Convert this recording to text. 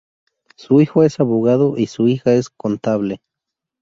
Su hijo es abogado y su hija es contable.